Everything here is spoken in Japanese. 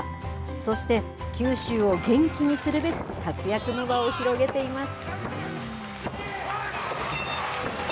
そして、九州を元気にするべく活躍の場を広げています。